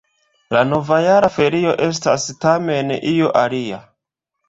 La novjara ferio estas tamen io alia.